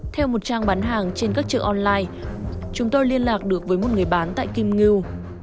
theo một trang bán hàng trên các chợ online chúng tôi liên lạc được với một người bán tại kim ngưu